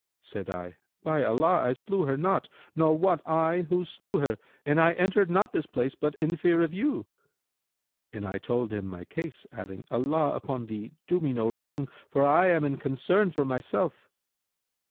Said I, 'By Allah, I slew her not, nor wot I who slew her, and I entered not this place but in fear of you!' And I told him my case, adding, 'Allah upon thee, do me no wrong, for I am in concern for myself!'